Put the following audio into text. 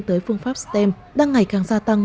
tới phương pháp stem đang ngày càng gia tăng